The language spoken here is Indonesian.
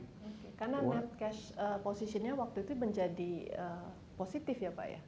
karena net cash positionnya waktu itu menjadi positif ya pak ya